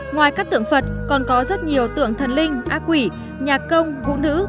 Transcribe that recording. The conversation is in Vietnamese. ngoài các tượng phật còn có rất nhiều tượng thần linh ác quỷ nhà công vụ nữ